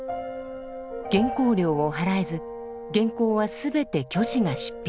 原稿料を払えず原稿は全て虚子が執筆。